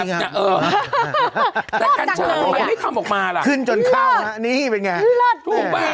อย่าอย่าเอิ้มแต่กัญชาทำไมไม่ได้ทำออกมาล่ะขึ้นจนข้าวน่ะนี่เป็นไงถูกปะ